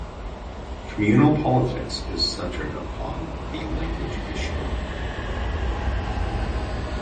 Communal politics is centred upon the language issue.